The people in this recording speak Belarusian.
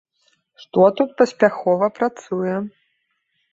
Што тут паспяхова працуе?